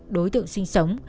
đối tượng sinh sống